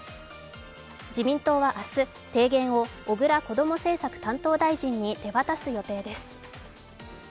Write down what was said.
自民党は明日、提言を小倉こども政策担当大臣に手渡す予定です。